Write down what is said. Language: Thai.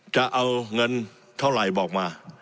จะเอาเงินเท่าไหร่บอกมา